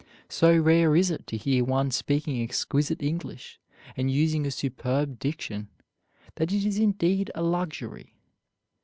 So rare is it to hear one speaking exquisite English, and using a superb diction, that it is indeed a luxury.